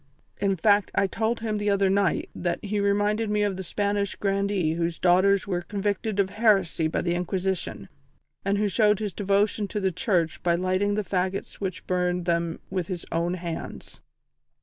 In fact, I told him the other night that he reminded me of the Spanish grandee whose daughters were convicted of heresy by the Inquisition, and who showed his devotion to the Church by lighting the faggots which burned them with his own hands."